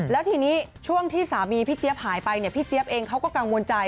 แล้วทีนี้ช่วงที่สามีพี่เจี๊ยบหายไปเนี่ยพี่เจี๊ยบเองเขาก็กังวลใจ